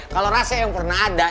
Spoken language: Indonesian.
kalau rasa yang pernah ada